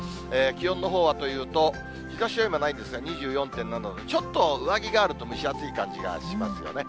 気温のほうはというと、日ざしは今、ないんですが、２４．７度、ちょっと上着があると蒸し暑い感じがしますよね。